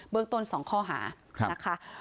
เรื่องต้น๒ข้อหานะคะ